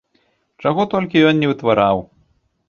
Чаго толькі ён не вытвараў!